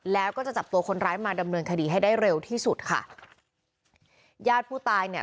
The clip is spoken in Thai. แล้วก็จะจับตัวคนร้ายมาดำเนินคดีให้ได้เร็วที่สุดค่ะญาติผู้ตายเนี่ย